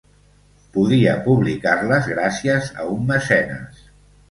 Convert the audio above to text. Podia publicar-les gràcies a un mecenes.